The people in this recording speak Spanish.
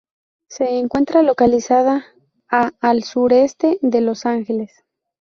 Se encuentra localizada a al sureste de Los Ángeles.